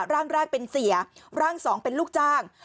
ร่างแรกเป็นเสียร่างสองเป็นลูกจ้าง